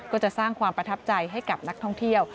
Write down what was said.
ก็จะสร้างความประทับใจให้กับนักท่องเที่ยว